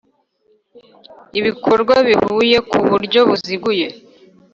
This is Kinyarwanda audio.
Ibikorwa bihuye ku buryo buziguye.